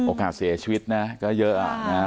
โอกาสเสียชีวิตก็เยอะอ่ะ